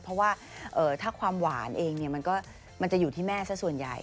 เพราะว่าถ้าความหวานเองมันจะอยู่ที่แม่ซะส่วนใหญ่